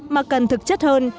mà cần thực chất hơn